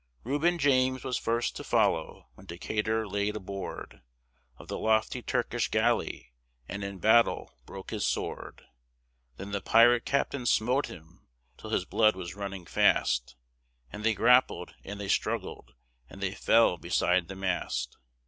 Reuben James was first to follow when Decatur laid aboard Of the lofty Turkish galley and in battle broke his sword. Then the pirate captain smote him, till his blood was running fast, And they grappled and they struggled, and they fell beside the mast.